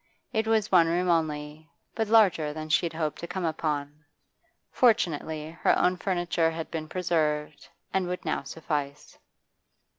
It was one room only, but larger than she had hoped to come upon; fortunately her own furniture had been preserved, and would now suffice.